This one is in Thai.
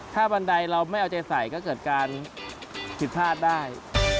ถ้าบันไดเราไม่เอาใจใส่ก็เกิดการผิดพลาดได้